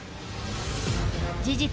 事実